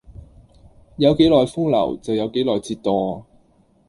有幾耐風流就有幾耐折墮